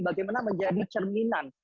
bagaimana menjadi cerminan